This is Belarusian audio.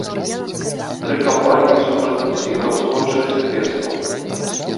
Тры кампаніі супраць гусітаў, скончыліся бедствам.